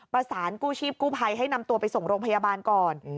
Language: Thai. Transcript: ประสานกู้ชีพกู้ภัยให้นำตัวไปส่งโรงพยาบาลก่อน